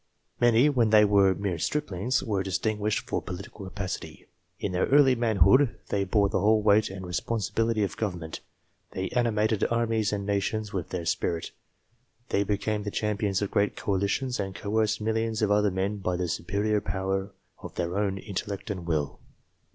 Many, when they were mere striplings, were distinguished for political capacity. In their early manhood, they bore the whole weight and responsibility of government ; they animated armies and nations with their spirit ; they became the champions of great coalitions, and coerced millions of * other men by the superior power of their own intellect and will.